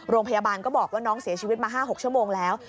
โรงพยาบาลก็บอกว่าน้องเสียชีวิตมา๕๖ชั่วโมงแล้ว